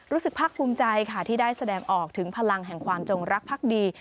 รู้สึกภาคภูมิใจค่ะที่ได้แสดงออกถึงพลังแห่งความจงรักภักดี